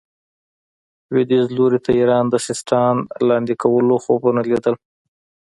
لوېدیځ لوري ته ایران د سیستان لاندې کولو خوبونه لیدل.